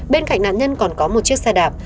bên cạnh nạn nhân còn có một chiếc xe đạp